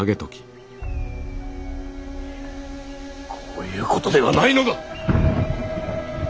こういうことではないのだ！